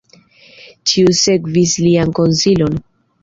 Ĉiu sekvis lian konsilon.